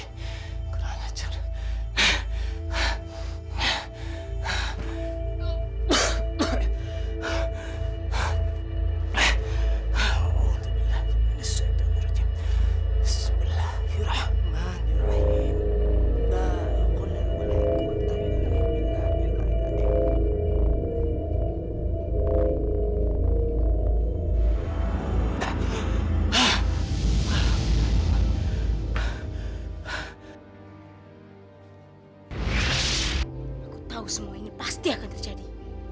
aku tahu semua ini pasti akan terjadi